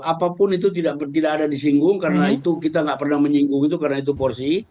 apapun itu tidak ada disinggung karena itu kita tidak pernah menyinggung itu karena itu porsi